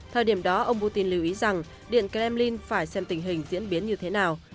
thời điểm đó ông putin lưu ý rằng điện kremlin phải xem tình hình diễn biến như thế nào